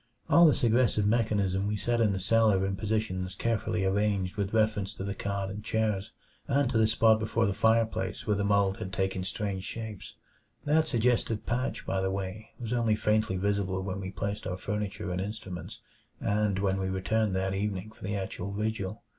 All this aggressive mechanism we set in the cellar in positions carefully arranged with reference to the cot and chairs, and to the spot before the fireplace where the mold had taken strange shapes. That suggestive patch, by the way, was only faintly visible when we placed our furniture and instruments, and when we returned that evening for the actual vigil.